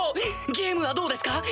ゲームはどうですか？